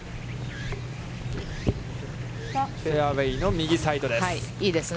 フェアウェイの右サイドです。